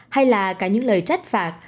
hay là cả những lời trách phạt